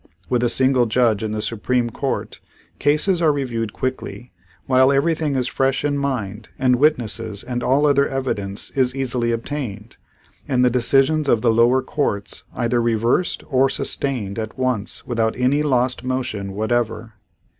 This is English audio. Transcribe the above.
With a single judge in the Supreme Court, cases are reviewed quickly while everything is fresh in mind and witnesses and all other evidence is easily obtained, and the decisions of the lower courts either reversed or sustained at once without any lost motion whatever.